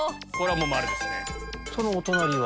そのお隣は？